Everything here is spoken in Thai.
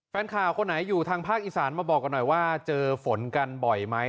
แฟนข่าวคนไหนอยู่ทางภาคอีสานมาบอกกันหน่อยว่าเจอฝนกันบ่อยไหม